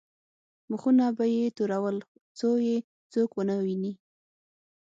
مخونه به یې تورول څو یې څوک ونه ویني.